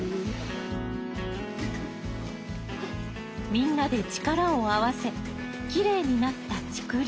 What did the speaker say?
みんなで力を合わせきれいになった竹林。